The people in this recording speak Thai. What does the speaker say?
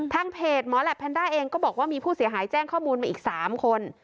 เพจหมอแหลปแพนด้าเองก็บอกว่ามีผู้เสียหายแจ้งข้อมูลมาอีก๓คน